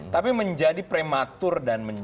tapi menjadi prematur dan menjadi